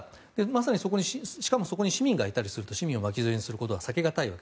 しかもそこに市民がいたりすると市民を巻き添えにすることは避けがたい。